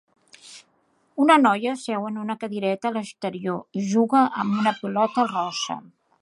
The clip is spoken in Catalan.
Una noia seu en una cadireta a l'exterior i juga amb una pilota rosa.